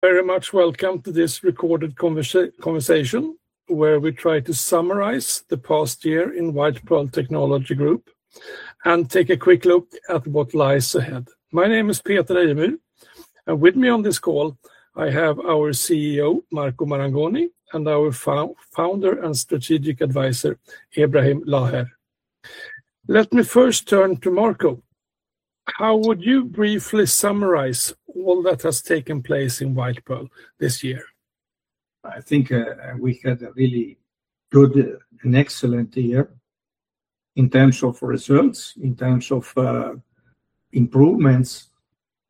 Very much. Welcome to this recorded conversation where we try to summarize the past year in White Pearl Technology Group and take a quick look at what lies ahead. My name is Pieter Nelmul and with me on this call I have our CEO Marco Marangoni and our founder and strategic advisor, Ibrahim Laher. Let me first turn to Marco. How would you briefly summarize all that has taken place in White Pearl this year? I think we had a really good and excellent year in terms of results, in terms of improvements.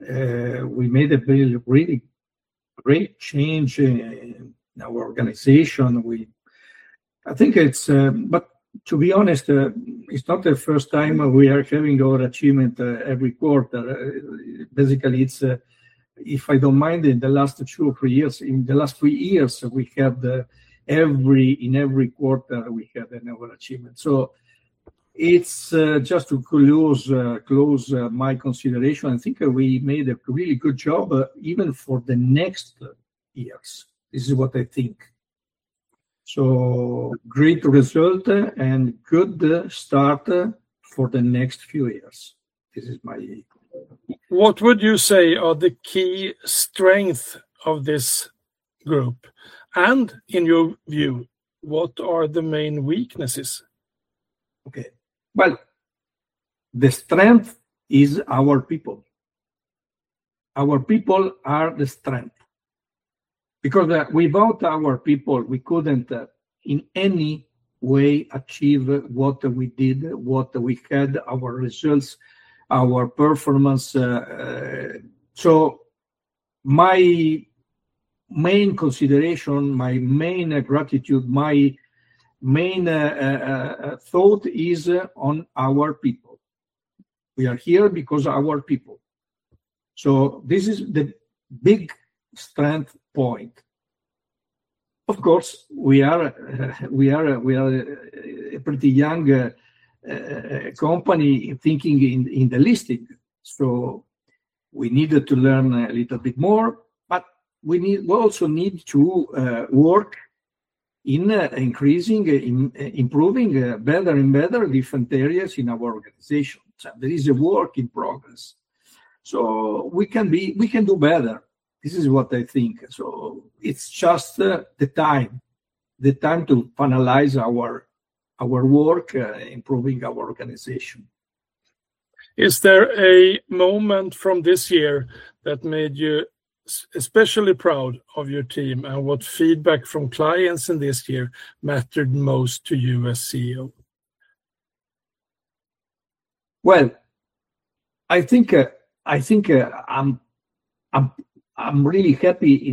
We made a really great change in our organization. But to be honest, it's not the first time. We are having overachievement every quarter. Basically it's if I don't mind, in the last two or three years. In the last three years, in every quarter we had overachievement. So it's just to close my consideration, I think we made a really good job even for the next years. This is what I think, so great result and good start for the next few years. This is my. What would you say are the key strengths of this group, and in your view, what are the main weaknesses? Okay, well, the strength is our people. Our people are the strength. Because without our people we couldn't in any way achieve what we did, what we had, our results, our performance. So my main consideration, my main gratitude, my main thought is on our people. We are here because our people. So this is the big strength point. Of course. We are a pretty young company thinking in the listing, so we needed to learn a little bit more. But we also need to work in increasing, improving better and better different areas in our organization. There is a work in progress so we can do better. This is what I think. So it's just the time to finalize our work improving our organization. Is there a moment from this year that made you especially proud of your team and what feedback from clients in this year mattered most to you as CEO? Well. I think I'm really happy.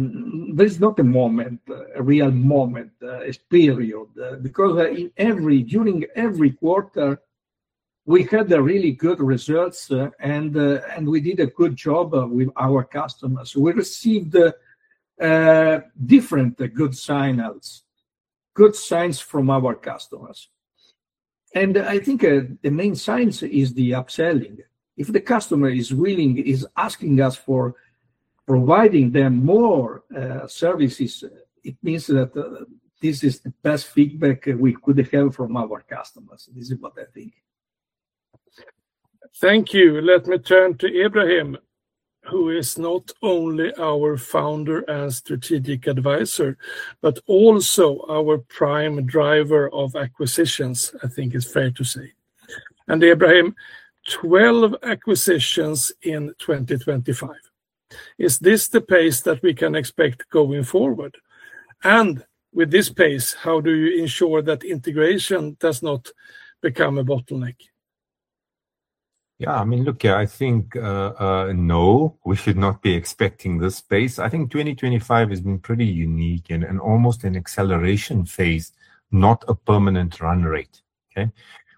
This is not a moment, a real moment, a period because during every quarter we had really good results and we did a good job with our customers. We received definite good signals, good signs from our customers, and I think the main sign is the upselling. If the customer is willing, is asking us for providing them more services, it means that this is the best feedback we could have from our customers. This is what I think. Thank you. Let me turn to Ibrahim, who is not only our founder and strategic advisor, but also our prime driver. Acquisitions, I think, is fair to say, and Ibrahim, 12 acquisitions in 2025. Is this the pace that we can expect going forward, and with this pace, how do you ensure that integration does not become a bottleneck? Yeah, I mean, look, I think no, we should not be expecting this pace. I think 2025 has been pretty unique and almost an acceleration phase, not a permanent run rate.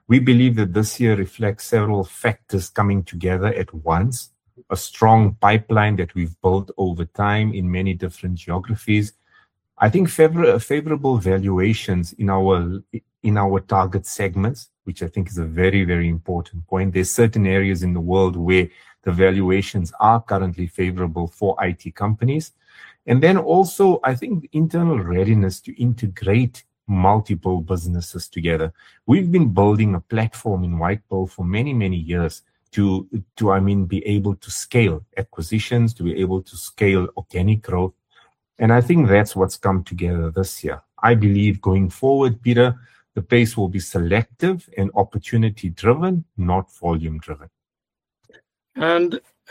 We believe that this year reflects several factors coming together at once. A strong pipeline that we've built over time in many different geographies. I think favorable valuations in our target segments, which I think is a very, very important point. There's certain areas in the world where the valuations are currently favorable for IT companies and then also I think internal readiness to integrate multiple businesses together. We've been building a platform in White Pearl for many, many years to, I mean, be able to scale acquisitions, to be able to scale organic growth, and I think that's what's come together this year. I believe going forward, Peter, the pace will be selective and opportunity driven, not volume driven.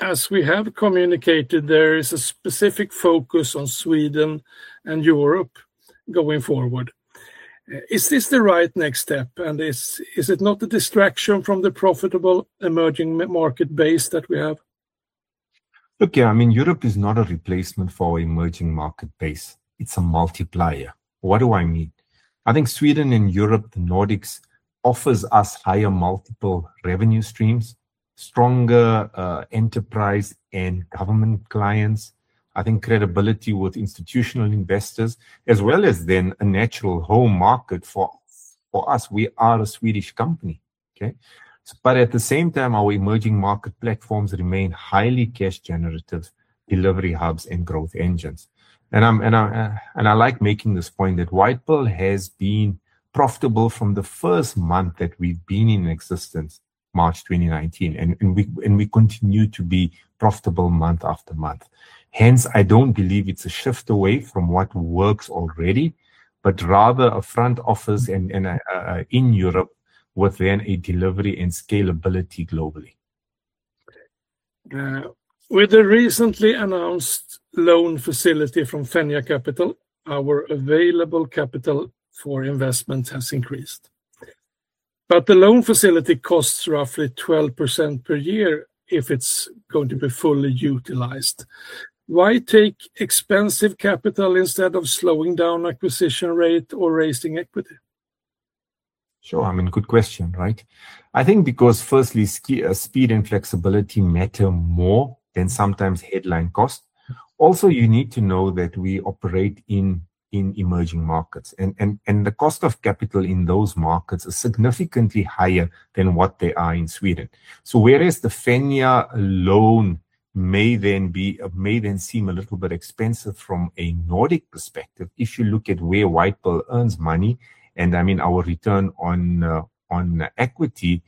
As we have communicated, there is a specific focus on Sweden and Europe going forward. Is this the right next step and is it not a distraction from the profitable emerging market base that we have? Look, yeah, I mean Europe is not a replacement for emerging market base. It's a multiplier. What do I mean? I think Sweden and Europe, the Nordics, offers us higher multiple revenue streams, stronger enterprise and government clients, I think credibility with institutional investors as well as then a natural home market for us. We are a Swedish company, but at the same time our emerging market platforms remain highly cash generative delivery hubs and growth engines. And I like making this point. That White Pearl has been profitable from the first month that we've been in existence, March 2019, and we continue to be profitable month after month hence. I don't believe it's a shift away from what works already, but rather a front office in Europe within a delivery and scalability globally. With the recently announced loan facility from Fenja Capital, our available capital for investment has increased. But the loan facility costs roughly 12% per year. If it's going to be fully utilized, why take expensive capital instead of slowing down acquisition rate or raising equity? Sure. I mean, good question, right? I think because firstly, speed and flexibility matter more than sometimes headline cost. Also, you need to know that we operate in emerging markets and the cost of capital in those markets is significantly higher than what they are in Sweden. So whereas the Fenja loan may then seem a little bit expensive from a Nordic perspective, if you look at where White Pearl earns money, and I mean our return on equity,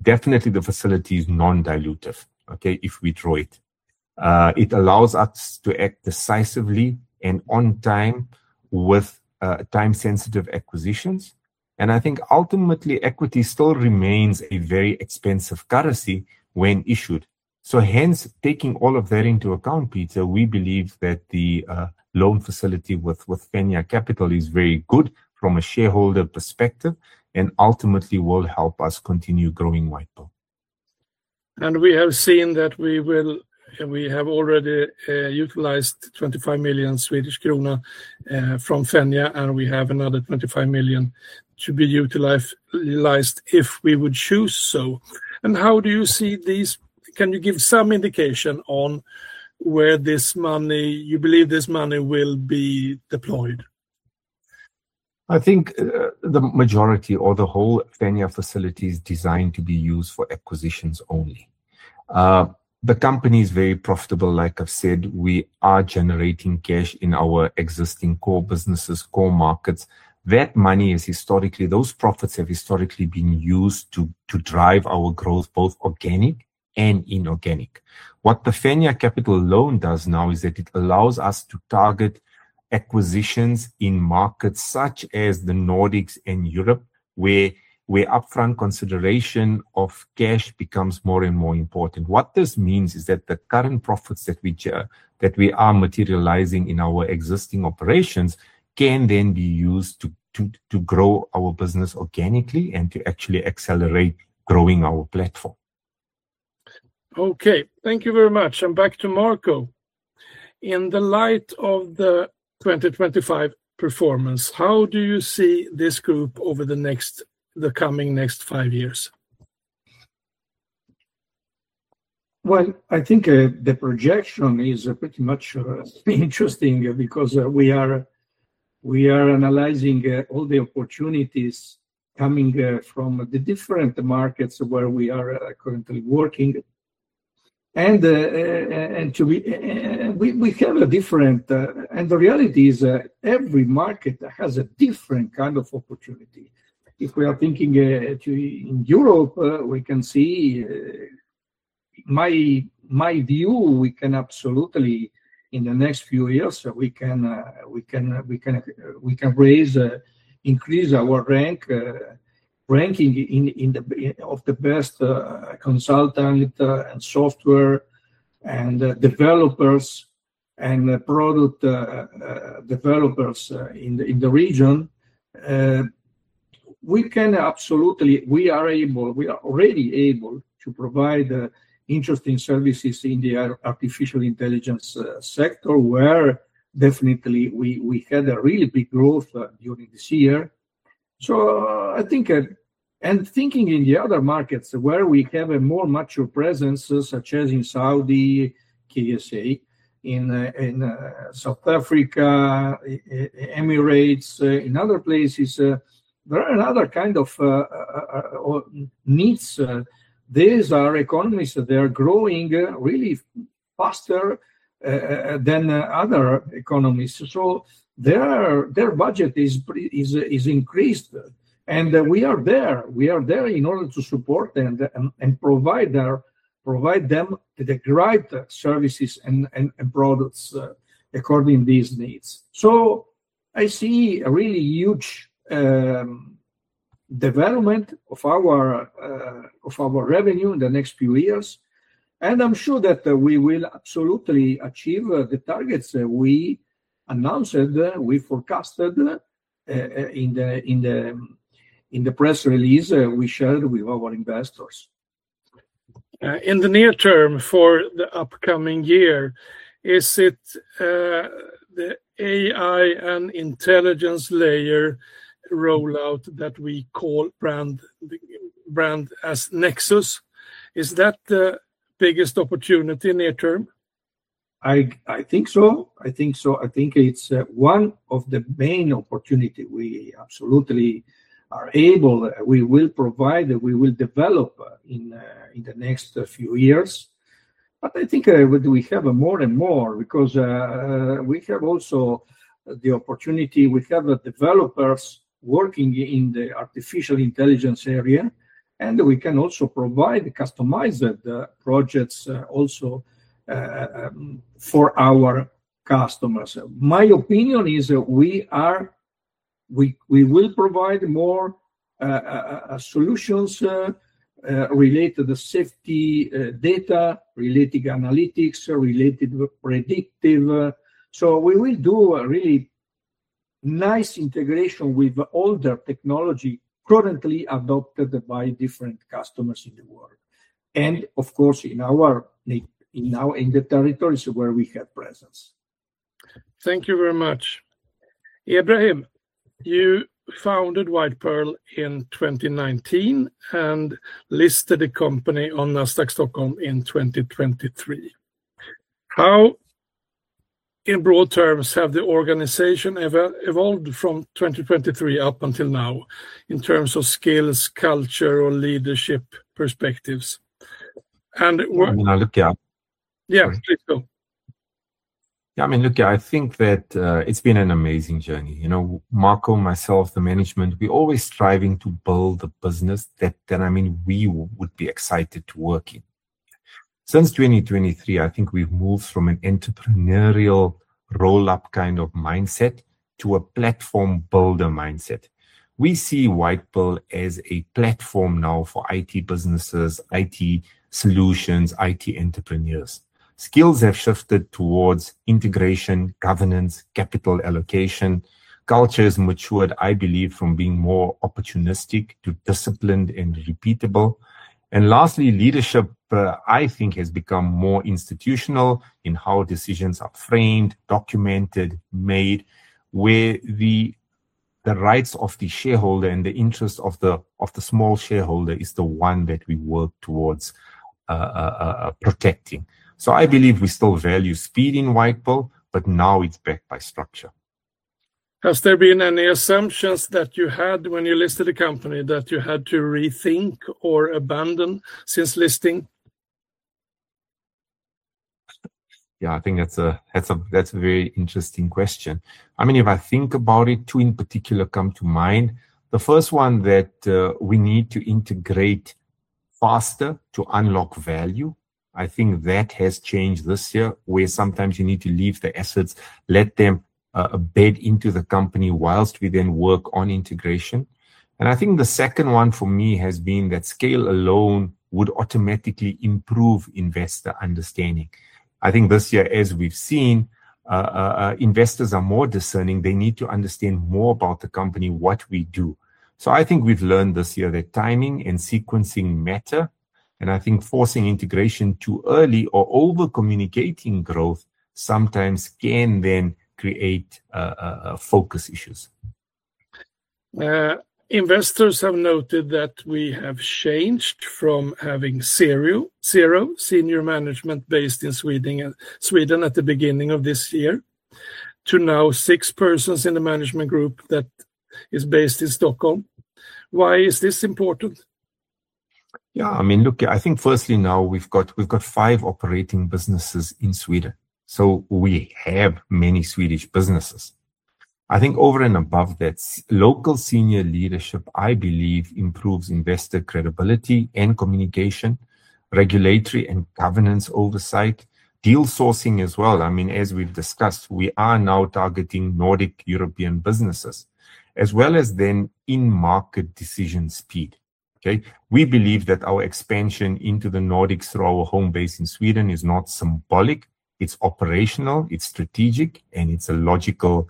definitely the facility is non-dilutive. Okay. If we draw allows us to act decisively and on time with time sensitive acquisitions. And I think ultimately equity still remains a very expensive currency when issued. So hence taking all of that into account. Peter, we believe that the loan facility with Fenja Capital is very good from a shareholder perspective and ultimately will help us continue growing. White Pearl. We have seen that we have already utilized 25 million Swedish krona from Fenja and we have another 25 million to be utilized if we would choose so. How do you see these? Can you give some indication on where this money, you believe this money will be deployed? I think the majority or the whole Fenja facility is designed to be used for acquisitions only. The company is very profitable. Like I've said, we are generating cash in our existing core businesses, core markets. That money is historically. Those profits have historically been used to drive our growth, both organic and inorganic. What the Fenja Capital loan does now is that it allows us to target acquisitions in markets such as the Nordics and Europe, where upfront consideration of cash becomes more and more important. What this means is that the current profits that we are materializing in our existing operations can then be used to grow our business organically and to actually accelerate growing our platform. Okay, thank you very much. And back to Marco. In the light of the 2025 performance, how do you see this group over the next, the coming, next five years? I think the projection is pretty much interesting because we are analyzing all the opportunities coming from the different markets where we are currently working. And. We have a different, and the reality is every market has a different kind of opportunity. If we are thinking in Europe, we can see my view. We can absolutely in the next few. Years. We can raise, increase our ranking of the best consultant and software and developers and product developers in the region. We can absolutely. We are already able to provide interesting services in the artificial intelligence sector where definitely we had a really big growth during this year. So I think and thinking in the other markets where we have a more mature presence, such as in Saudi Arabia, KSA, South Africa, Emirates, in other places there are another kind of needs. These are economies that they are growing really faster than other economies. So their budget is increased and we are there in order to support them and provide them the right services and products according to these needs. So I see a really huge development of our revenue in the next few years. I'm sure that we will absolutely achieve the targets that we announced, we forecasted in the press release we shared with our investors. In the near term for the upcoming year. Is it the AI and intelligence layer rollout that we call branded as Nexus? Is that the biggest opportunity near term? I think so, I think so. I think it's one of the, of the main opportunity we absolutely are able, we will provide that we will develop in the next few years, but I think we have more and more because we have also the opportunity. We have developers working in the artificial intelligence area and we can also provide customized projects also for our customers. My opinion is we are, we will provide more solutions related to safety, data related, analytics related, predictive, so we will do a really nice integration with older technology currently adopted by different customers in the world and of course in the territories where we have presence. Thank you very much. Ibrahim, you founded White Pearl in 2019 and listed the company on Nasdaq Stockholm in 2023. How in broad terms have the organization evolved from 2023 up until now in terms of skills, culture or leadership perspectives? And I look, yeah, please go. Yeah, I mean look, I think that it's been an amazing journey. You know, Marco, myself, the management, we always striving to build a business that then I mean we would be excited to work in. Since 2023, I think we've moved from an entrepreneurial rollup kind of mindset to a platform builder mindset. We see White Pearl as a platform now for IT businesses. IT solutions, IT entrepreneurs skills have shifted towards integration, governance, capital allocation culture has matured, I believe from being more opportunistic to disciplined and repeatable. And lastly leadership I think has become more institutional in how decisions are framed, documented made, where the rights of the shareholder and the interest of the small shareholder is the one that we work towards protecting. So I believe we still value speed in White Pearl, but now it's backed by structure. Has there been any assumptions that you had when you listed a company that you had to rethink or abandon since listing? Yeah, I think that's a very interesting question. I mean if I think about it, two in particular come to mind. The first one that we need to integrate faster to unlock value. I think that has changed this year where sometimes you need to leave the assets, let them bed into the company whilst we then work on integration. And I think the second one for me has been that scale alone would automatically improve investor understanding. I think this year as we've seen, investors are more discerning, they need to understand more about the company, what we do. So I think we've learned this year that timing and sequencing matter and I think forcing integration too early or over communicating growth sometimes can then create focus issues. Investors have noted that we have changed from having zero senior management based in Sweden at the beginning of this year to now six persons in the management group that is based in Stockholm. Why is this important? Yeah, I mean look, I think firstly now we've got five operating businesses in Sweden. So we have many Swedish businesses I think over and above that. Local senior leadership I believe improves investor credibility and communication, regulatory and governance oversight, deal sourcing as well. I mean as we've discussed, we are now targeting Nordic European businesses as well as then in market decision speed. We believe that our expansion into the Nordic through our home base in Sweden is not symbolic, it's operational, it's strategic and it's a logical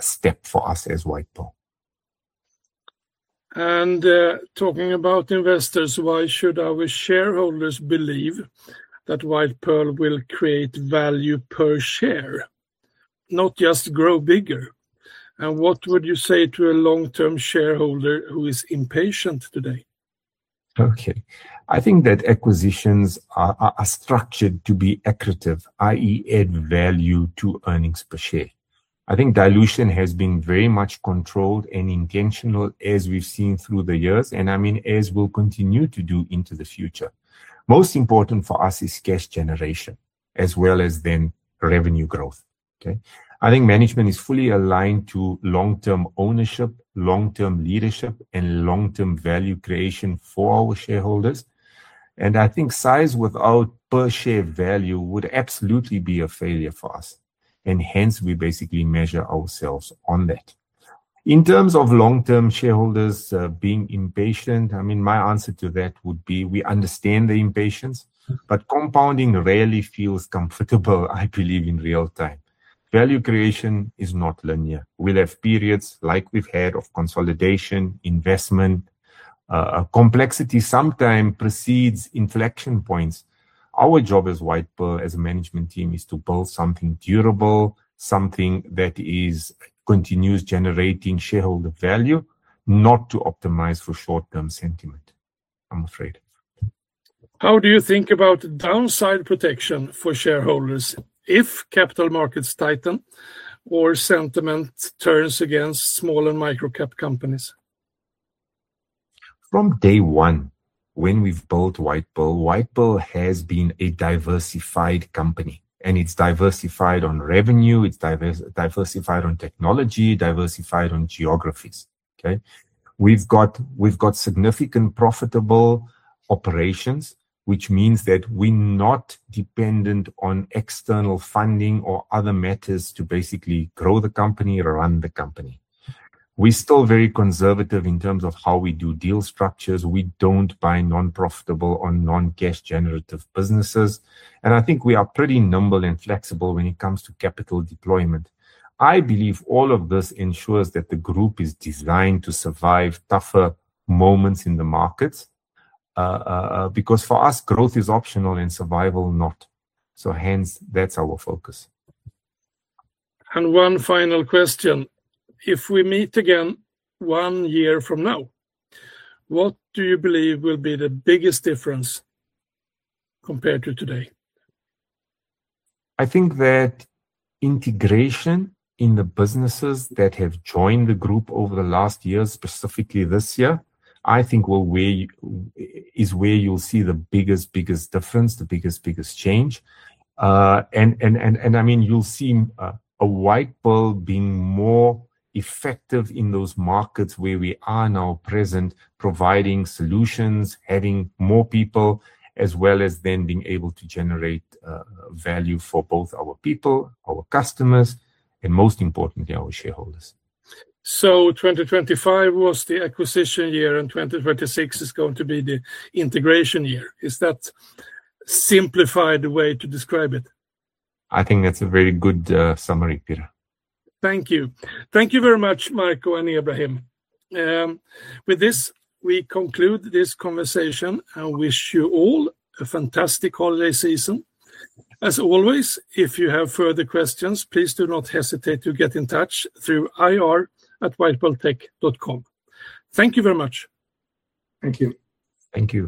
step for us as White Pearl. Talking about investors, why should our shareholders believe that White Pearl will create value per share, not just grow bigger? What would you say to a long-term shareholder who is impatient today? Okay. I think that acquisitions are structured to be accretive, i.e., add value to earnings per share. I think dilution has been very much controlled and intentional as we've seen through the years, and I mean as will continue to do into the future. Most important for us is cash generation as well as then revenue growth. Okay. I think management is fully aligned to long term ownership, long term leadership and long term value creation for our shareholders. And I think size without per share value would absolutely be a failure for us. And hence we basically measure ourselves on that in terms of long term shareholders being impatient. I mean my answer to that would be we understand the impatience, but compounding rarely feels comfortable. I believe in real time value creation is not linear. We'll have periods like we've had of consolidation. Investment complexity sometimes precedes inflection points. Our job as White Pearl, as a management team is to build something durable, something that continues generating shareholder value, not to optimize for short term sentiment, I'm afraid. How do you think about downside protection for shareholders if capital markets tighten or sentiment turns against small and micro cap companies? From day one when we've built White Pearl, White Pearl has been a diversified company and it's diversified on revenue, it's diversified on technology, diversified on geographies. Okay, we've got, we've got significant profitable operations which means that we not dependent on external funding or other matters to basically grow the company, run the company. We still very conservative in terms of how we do deal structures. We don't buy non-profitable or non-cash generative businesses, and I think we are pretty nimble and flexible when it comes to capital deployment. I believe all of this ensures that the group is designed to survive tougher moments in the markets. Because for us, growth is optional and survival not so. Hence, that's our focus. One final question. If we meet again one year from now, what do you believe will be the biggest difference compared to today? I think that integration in the businesses that have joined the group over the last years, specifically this year, I think is where you'll see the biggest, biggest difference, the biggest, biggest change. I mean you'll see White Pearl being more effective in those markets where we are now present, providing solutions, having more people as well as then being able to generate value for both our people, our customers and most importantly our shareholders. So 2025 was the acquisition year and 2026 is going to be the integration year. Is that simplified way to describe it? I think that's a very good summary, Peter. Thank you. Thank you very much, Marco and Ibrahim. With this, we conclude this conversation and wish you all a fantastic holiday season. As always. If you have further questions, please do not hesitate to get in touch through ir@whitepearltech.com. Thank you very much. Thank you. Thank you.